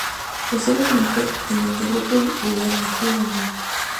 Posteriormente, en el decreto gubernativo No.